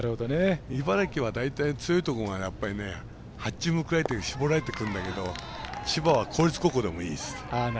茨城は大体強いところが８チームくらい絞られてくるんですけど千葉は公立高校でもいいです。